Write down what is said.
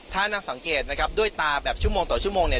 ถ้านักสังเกตนะครับด้วยตาแบบชั่วโมงต่อชั่วโมงเนี่ย